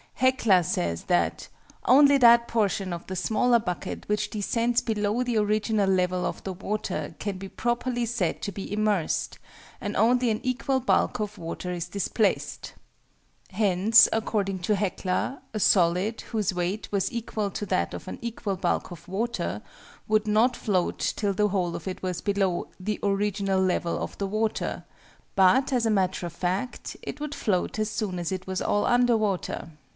HECLA says that "only that portion of the smaller bucket which descends below the original level of the water can be properly said to be immersed, and only an equal bulk of water is displaced." Hence, according to HECLA, a solid, whose weight was equal to that of an equal bulk of water, would not float till the whole of it was below "the original level" of the water: but, as a matter of fact, it would float as soon as it was all under water.